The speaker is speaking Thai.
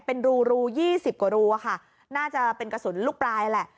เป็นรู๒๐กว่ารูค่ะน่าจะเป็นกระสุนลูกปลายแหละ